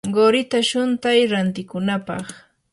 qurita shuntay rantikunapaq.